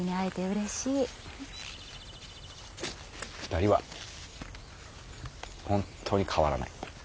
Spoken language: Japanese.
２人は本当に変わらない。